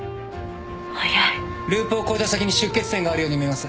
早いループを越えた先に出血点があるように見えます。